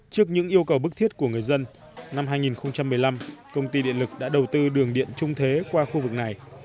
trước những yêu cầu bức thiết của người dân năm hai nghìn một mươi năm công ty điện lực đã đầu tư đường điện trung thế qua khu vực này